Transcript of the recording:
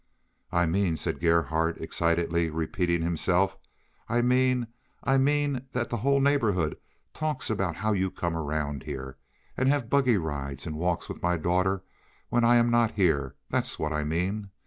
"I mean," said Gerhardt, excitedly repeating himself, "I mean, I mean that the whole neighborhood talks about how you come around here, and have buggy rides and walks with my daughter when I am not here—that's what I mean.